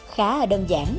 khá đơn giản